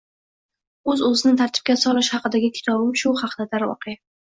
Oʻz-oʻzini tartibga solish haqidagi kitobim shu haqda, darvoqe